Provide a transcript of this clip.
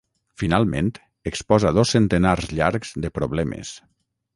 Finalment, exposa dos centenars llargs de problemes.